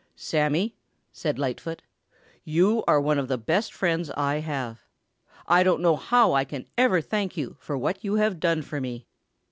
"Sammy," said Lightfoot, "you are one of the best friends I have. I don't know how I can ever thank you for what you have done for me."